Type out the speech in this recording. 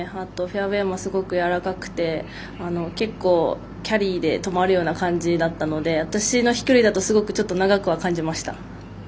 フェアウエーもすごくやわらかくて結構、キャリーで止まるような感じだったので私の飛距離だと少し長く感じました。